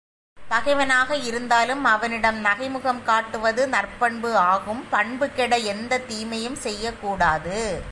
பகைவனாக இருந்தாலும் அவனிடம் நகைமுகம் காட்டுவது நற்பண்பு ஆகும் பண்பு கெட எந்தத் தீமையும் செய்யக்கூடாது.